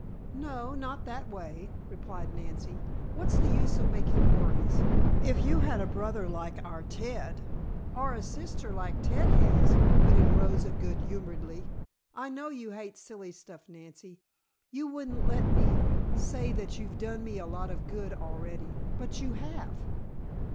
"No, not that way," replied Nancy. "What's the use of making worries? If you had a brother like our Ted " "Or a sister like Ted has," put in Rosa good humoredly. "I know you hate silly stuff, Nancy. You wouldn't let me say that you've done me a lot of good already; but you have."